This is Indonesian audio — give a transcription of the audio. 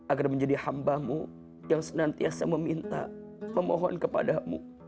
agar menjadi hambamu yang senantiasa meminta memohon kepadamu